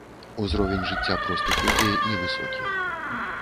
Узровень жыцця простых людзей невысокі.